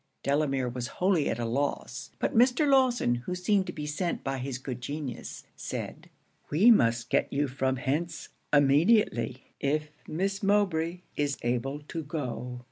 Delamere was wholly at a loss. But Mr. Lawson, who seemed to be sent by his good genius, said 'We must get you from hence immediately, if Miss Mowbray is able to go.